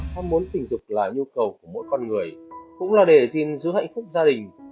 ham muốn tình dục là nhu cầu của mỗi con người cũng là đề dịnh giữ hạnh phúc gia đình